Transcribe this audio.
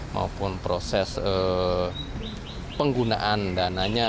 maupun proses penggunaan dananya